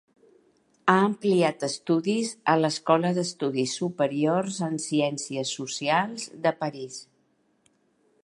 Ha ampliat estudis a l'Escola d'Estudis Superiors en Ciències Socials de París.